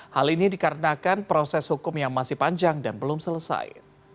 hal ini dikarenakan proses hukum yang masih panjang dan belum selesai